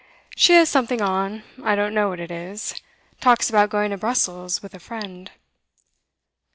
'She has something on; I don't know what it is. Talks about going to Brussels with a friend.